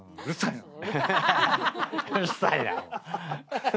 うるさいな。